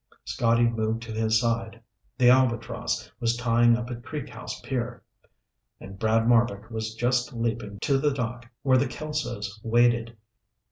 Scotty moved to his side. The Albatross was tying up at Creek House pier, and Brad Marbek was just leaping to the dock where the Kelsos waited.